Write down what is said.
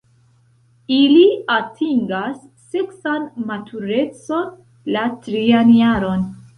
Ili atingas seksan maturecon la trian jaron.